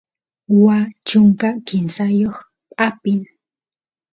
waa chunka kimsayoq apin